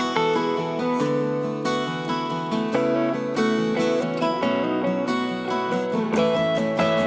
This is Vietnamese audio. hẹn gặp lại